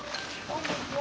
こんにちは。